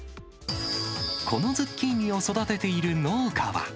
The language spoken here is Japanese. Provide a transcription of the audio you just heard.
このズッキーニを育てている農家は。